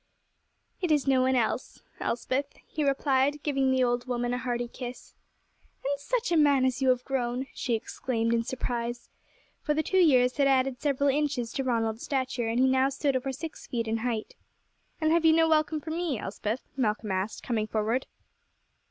"It is no one else, Elspeth," he replied, giving the old woman a hearty kiss. "And such a man as you have grown!" she exclaimed in surprise. For the two years had added several inches to Ronald's stature, and he now stood over six feet in height. "And have you no welcome for me, Elspeth?" Malcolm asked, coming forward.